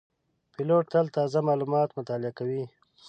پیلوټ تل تازه معلومات مطالعه کوي.